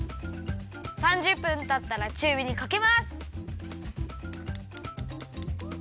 ３０分たったらちゅうびにかけます！